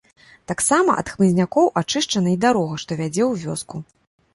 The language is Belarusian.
Таксама ад хмызнякоў ачышчана і дарога, што вядзе ў вёску.